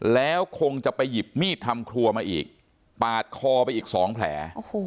แล้วคงจะไปหยิบมีดทำครัวมาอีกปาดคอไปอีก๒แผล